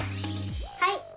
はい！